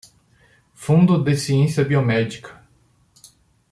Fundo de ciência biomédica